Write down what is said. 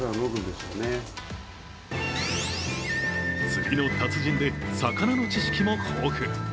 釣りの達人で、魚の知識も豊富。